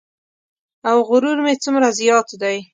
او غرور مې څومره زیات دی.